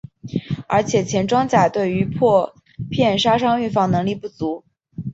而且前装甲对于破片杀伤防御能力不足。